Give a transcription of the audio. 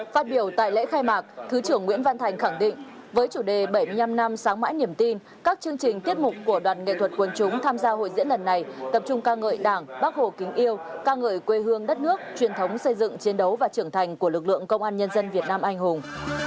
phát biểu tại lễ khai mạc thứ trưởng nguyễn văn thành khẳng định với chủ đề bảy mươi năm năm sáng mãi niềm tin các chương trình tiết mục của đoàn nghệ thuật quân chúng tham gia hội diễn lần này tập trung ca ngợi đảng bác hồ kính yêu ca ngợi quê hương đất nước truyền thống xây dựng chiến đấu và trưởng thành của lực lượng công an nhân dân việt nam anh hùng